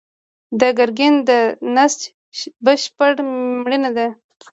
د ګینګرین د نسج بشپړ مړینه ده.